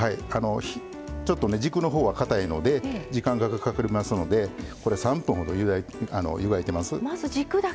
ちょっと軸のほうはかたいので時間がかかりますので３分ほど湯がいてます。